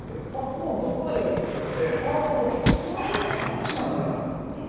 こっちなんだ。